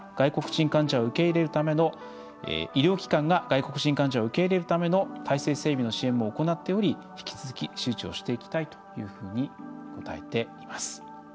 また、医療機関が外国人患者を受け入れるための体制整備の支援も行っており引き続き周知をしていきたいというふうに答えています。